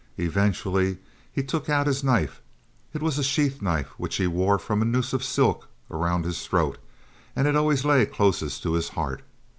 Eventually, he took out his knife. It was a sheath knife which he wore from a noose of silk around his throat, and it always lay closest to his heart.